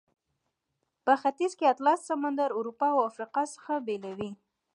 په ختیځ کې اطلس سمندر اروپا او افریقا څخه بیلوي.